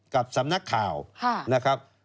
กับสำนักข่าวนะครับ